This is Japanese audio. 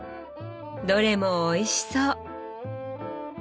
どれもおいしそう！